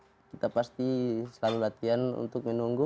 dan kita pasti selalu latihan untuk menunggu